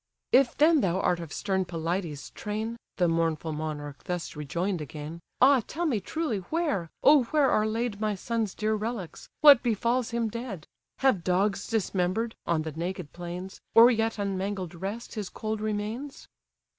"If then thou art of stern Pelides' train, (The mournful monarch thus rejoin'd again,) Ah tell me truly, where, oh! where are laid My son's dear relics? what befalls him dead? Have dogs dismember'd (on the naked plains), Or yet unmangled rest, his cold remains?"